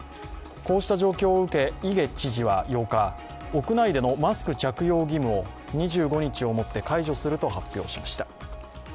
こうした状況を受け、イゲ知事は８日、屋内でのマスク着用義務を２５日をもって解除すると発表しました。